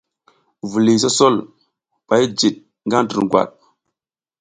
Viliy sosol ɓa jid ngaƞ durgwad.